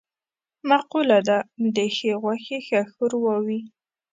مقوله ده: د ښې غوښې ښه شوروا وي.